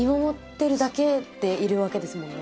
でいるわけですもんね